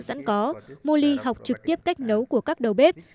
nhưng trong cuộc sống sẵn có moli học trực tiếp cách nấu của các đầu bếp